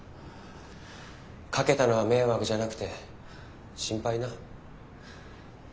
かけたのは迷惑じゃなくて心配な。